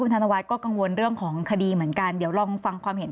ธนวัฒน์ก็กังวลเรื่องของคดีเหมือนกันเดี๋ยวลองฟังความเห็น